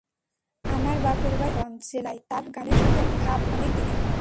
আমার বাপের বাড়ি সুনামগঞ্জ জেলায়, তাঁর গানের সঙ্গে ভাব অনেক দিনের।